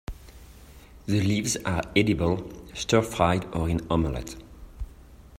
The leaves are edible, stir-fried or in omelette.